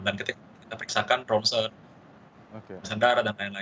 dan ketika kita periksakan romsen sendara dll